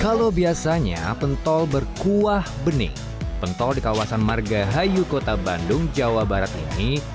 kalau biasanya pentol berkuah bening pentol di kawasan margahayu kota bandung jawa barat ini